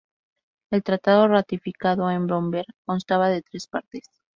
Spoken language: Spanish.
El tratado ratificado en Bromberg constaba de tres partes.